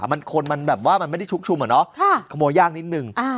มันคนมันแบบว่ามันไม่ได้ชุกชุมเหรอค่ะขโมยยากนิดหนึ่งอ่า